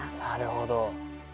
なるほど。